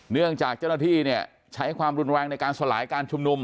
เนื่องจากเจ้าหน้าที่ใช้ความรุนแรงในการสลายการชุมนุม